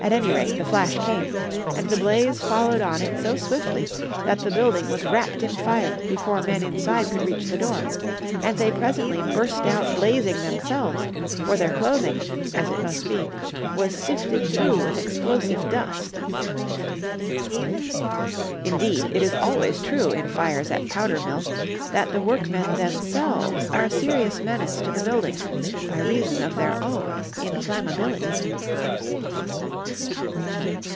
At any rate, the flash came, and the blaze followed on it so swiftly that the building was wrapped in fire before men inside could reach the door, and they presently burst out blazing themselves, for their clothing, as it must be, was sifted through with explosive dust. Indeed, it is always true in fires at powder mills that the workmen themselves are a serious menace to the buildings by reason of their own inflammability.